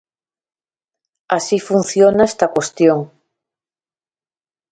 Así funciona esta cuestión.